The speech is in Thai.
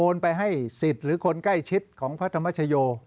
ไปให้สิทธิ์หรือคนใกล้ชิดของพระธรรมชโย